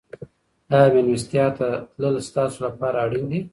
آیا مېلمستیا ته تلل ستاسو لپاره اړین دي؟